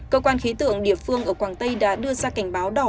cơ quan khí tượng địa phương ở quảng tây đã đưa ra cảnh báo đỏ